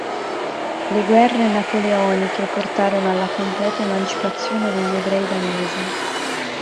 Le guerre napoleoniche portarono alla completa emancipazione degli ebrei danesi.